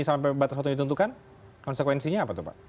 sampai batas motor ditentukan konsekuensinya apa